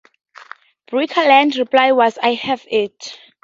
Birkeland's reply was, I have it!